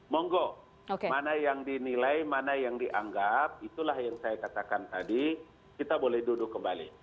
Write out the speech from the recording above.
monggo mana yang dinilai mana yang dianggap itulah yang saya katakan tadi kita boleh duduk kembali